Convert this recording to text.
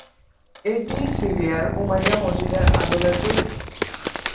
এটি সিরিয়ার উমাইয়া মসজিদের আদলে তৈরি।